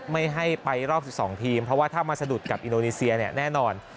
ไม่ให้ไปรอบ๑๒ทีมเพราะว่าถ้ามาสะดุดกับอินโดนีเซียเนี่ยแน่นอน